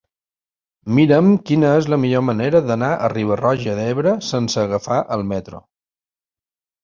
Mira'm quina és la millor manera d'anar a Riba-roja d'Ebre sense agafar el metro.